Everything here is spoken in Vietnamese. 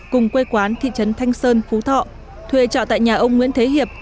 cùng quê quán thị trấn thanh sơn phú thọ thuê trọ tại nhà ông nguyễn thế hiệp